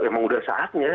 emang udah saatnya